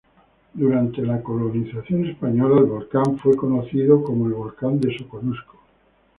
Durante la colonia española, el volcán era conocido como el Volcán de Soconusco.